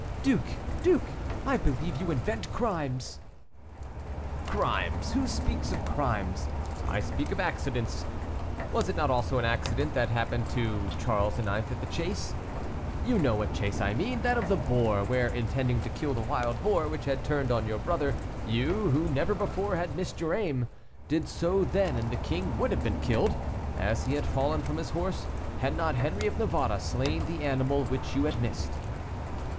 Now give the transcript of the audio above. "Duke! duke! I believe you invent crimes." "Crimes! who speaks of crimes? I speak of accidents. Was it not also an accident that happened to Charles IX. at the chase? You know what chase I mean; that of the boar, where, intending to kill the wild boar, which had turned on your brother, you, who never before had missed your aim, did so then, and the king would have been killed, as he had fallen from his horse, had not Henri of Navarre slain the animal which you had missed."